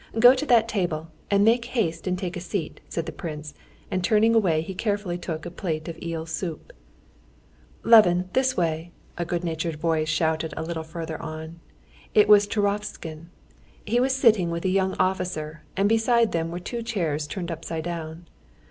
Go to that table, and make haste and take a seat," said the prince, and turning away he carefully took a plate of eel soup. "Levin, this way!" a good natured voice shouted a little farther on. It was Turovtsin. He was sitting with a young officer, and beside them were two chairs turned upside down.